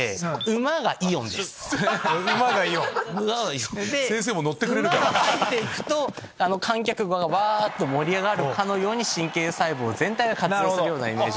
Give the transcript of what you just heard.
馬が入っていくと観客がうわっと盛り上がるように神経細胞全体が活動するようなイメージ。